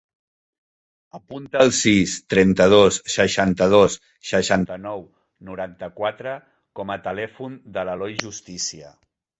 Apunta el sis, trenta-dos, seixanta-dos, seixanta-nou, noranta-quatre com a telèfon de l'Eloi Justicia.